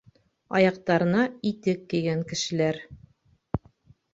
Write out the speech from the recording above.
— Аяҡтарына итек кейгән кешеләр...